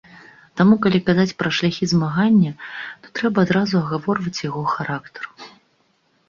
Таму калі казаць пра шляхі змагання, то трэба адразу агаворваць яго характар.